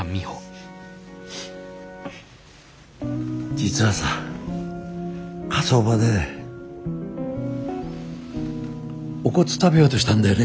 実はさ火葬場でお骨食べようとしたんだよね。